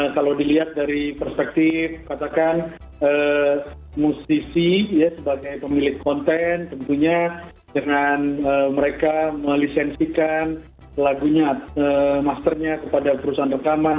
kalau dilihat dari perspektif katakan musisi sebagai pemilik konten tentunya dengan mereka melisensikan lagunya masternya kepada perusahaan rekaman